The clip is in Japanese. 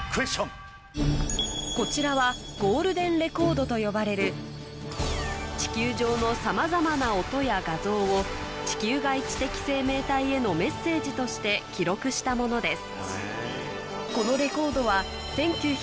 こちらはゴールデンレコードと呼ばれる地球上のさまざまな音や画像を地球外知的生命体へのメッセージとして記録したものです